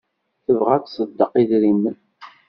Tebɣa ad tṣeddeq idrimen.